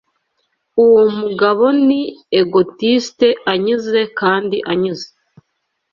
Uwo mugabo ni egotiste anyuze kandi anyuze.